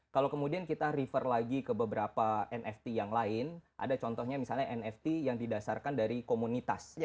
kalau kemudian kita refer lagi ke beberapa nft yang lain ada contohnya misalnya nft yang didasarkan dari komunitas